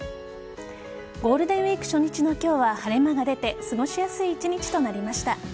ゴールデンウイーク初日の今日は晴れ間が出て過ごしやすい一日となりました。